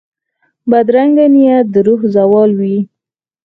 بدرنګه نیت د روح زوال وي